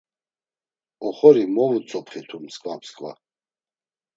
Oxori movutzopxitu msǩva msǩva.